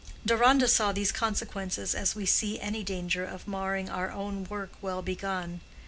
Deronda saw these consequences as we see any danger of marring our own work well begun.